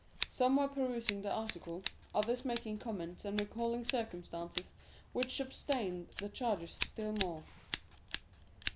Some were perusing the article, others making comments and recalling circumstances which substantiated the charges still more.